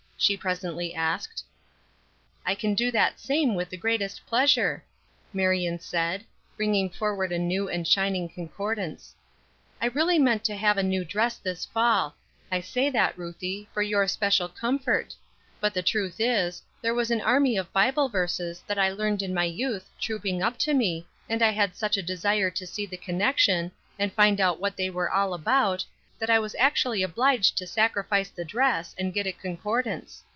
she presently asked. "I can do that same with the greatest pleasure," Marion said, bringing forward a new and shining concordance. "I really meant to have a new dress this fall; I say that, Ruthie, for your special comfort; but the truth is, there was an army of Bible verses that I learned in my youth trooping up to me, and I had such a desire to see the connection, and find out what they were all about, that I was actually obliged to sacrifice the dress and get a concordance.